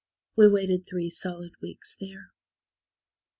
We waited three solid weeks there.